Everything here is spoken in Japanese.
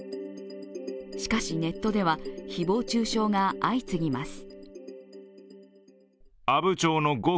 しかし、ネットでは誹謗中傷が相次ぎます。